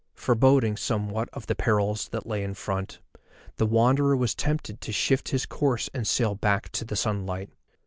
Foreboding somewhat of the perils that lay in front, the Wanderer was tempted to shift his course and sail back to the sunlight.